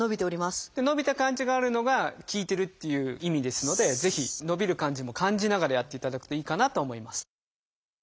伸びた感じがあるのが効いてるっていう意味ですのでぜひ伸びる感じも感じながらやっていただくといいかなと思います。